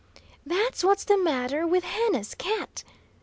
"That's what's the matter with Hannah's cat!"